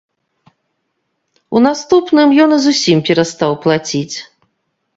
У наступным ён і зусім перастаў плаціць.